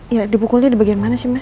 yap dipukul dia dibagian mana sih mas